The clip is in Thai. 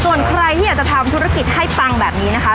ส่วนใครที่อยากจะทำธุรกิจให้ปังแบบนี้นะคะ